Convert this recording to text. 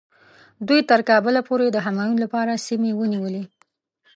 دوی تر کابله پورې د همایون لپاره سیمې ونیولې.